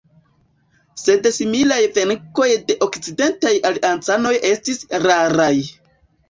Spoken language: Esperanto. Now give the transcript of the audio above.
Sed similaj venkoj de okcidentaj aliancanoj estis raraj.